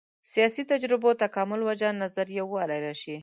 سیاسي تجربو تکامل وجه نظر یووالی راشي.